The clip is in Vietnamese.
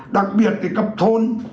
đặc biệt thì cập thôn